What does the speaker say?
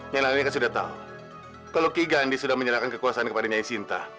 nyai nani kau sudah tahu kalau ki gandhi sudah menyerahkan kekuasaan kepadanya sinta